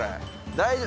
大丈夫？